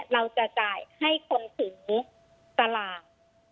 เราจะจ่ายให้คนถือสลาก